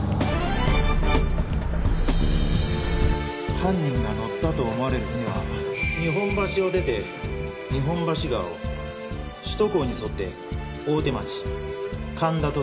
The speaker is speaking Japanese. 犯人が乗ったと思われる船は日本橋を出て日本橋川を首都高に沿って大手町神田と進みました。